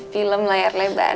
film layar lebar